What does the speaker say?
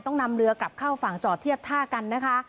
ต้องนำเรือกลับเข้าฝั่งจอดเทียบท่ากันนะคะ